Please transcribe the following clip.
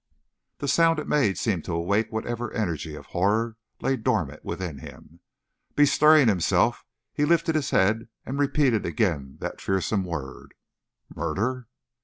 The sound it made seemed to awake whatever energy of horror lay dormant within him. Bestirring himself, he lifted his head and repeated again that fearsome word: "Murder!"